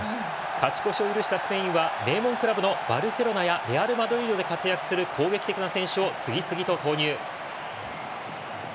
勝ち越しを許したスペインは名門クラブのバルセロナやレアルマドリードで活躍する攻撃的な選手を次々投入。